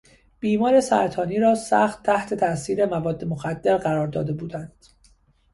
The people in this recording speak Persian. بیمار سرطانی را سخت تحت تاثیر مواد مخدر قرار داده بودند.